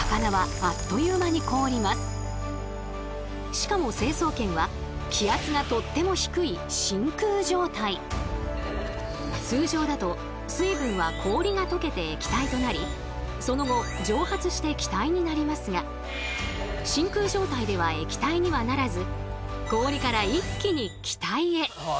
しかも成層圏は気圧がとっても低い通常だと水分は氷が解けて液体となりその後蒸発して気体になりますが真空状態では液体にはならず氷から一気に気体へ。